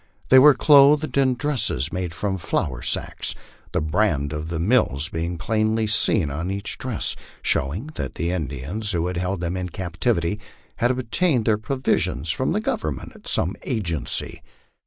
They were clothed in dresses made from flour sacks, the brand of the mills being plainly seen on each dress; showing that the Indians who had held them in captivity had obtained their provisions from the Government at some agency.